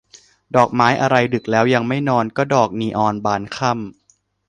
ดอกไม้อะไรดึกแล้วยังไม่นอน ก็ดอกนีออนบานค่ำ